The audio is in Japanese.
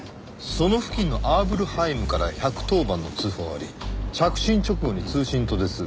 「その付近のアーブルハイムから１１０番の通報あり」「着信直後に通信途絶。